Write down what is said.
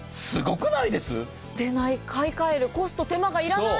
捨てない、買い替えるコスト、手間がいらない。